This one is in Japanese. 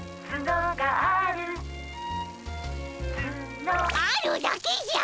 あるだけじゃ！